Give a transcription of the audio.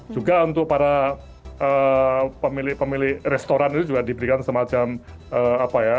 juga untuk para pemilik pemilik restoran itu juga diberikan semacam apa ya